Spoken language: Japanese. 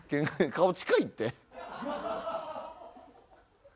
顔近いって。